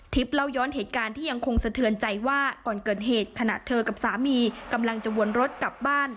เล่าย้อนเหตุการณ์ที่ยังคงสะเทือนใจว่าก่อนเกิดเหตุขณะเธอกับสามีกำลังจะวนรถกลับบ้าน